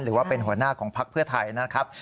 หรือว่าเป็นหัวหน้าของพักเพื่อไทยนะครับ